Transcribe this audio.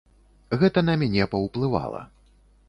Гэта на мяне паўплывала.